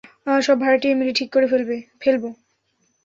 সব ভাড়াটিয়া মিলে, ঠিক করে ফেলবো।